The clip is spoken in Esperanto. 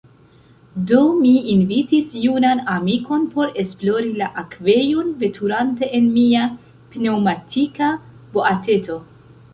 Do, mi invitis junan amikon por esplori la akvejon, veturante en mia pneŭmatika boateto.